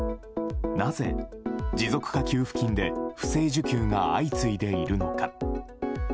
なぜ、持続化給付金で不正受給が相次いでいるのか。